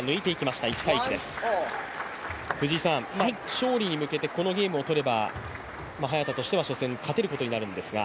勝利に向けて、このゲームを取れば早田としては、初戦勝てることになるんですが。